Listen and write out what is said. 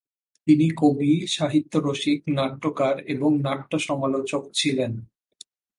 তিনি কবি, সাহিত্যরসিক, নাট্যকার এবং নাট্যসমালোচক ছিলেন।